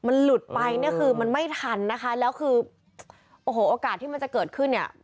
มันหลุดไปเนี่ยคือมันไม่ทันนะคะแล้วคือโอ้โหโอกาสที่มันจะเกิดขึ้นเนี่ย